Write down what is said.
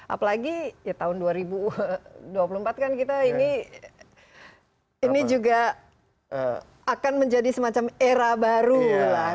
apalagi ya tahun dua ribu dua puluh empat kan kita ini juga akan menjadi semacam era baru lah